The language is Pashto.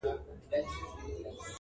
له زړې بوډۍ لکړي مي شرمېږم؛